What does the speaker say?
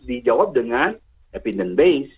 dijawab dengan opinion base